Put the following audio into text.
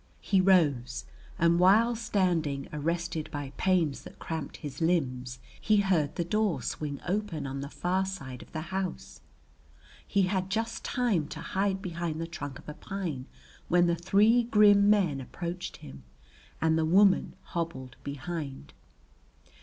He rose and while standing arrested by pains that cramped his limbs, he heard the door swing open on the far side of the house. He had just time to hide behind the trunk of a pine when the three grim men approached him and the woman hobbled behind.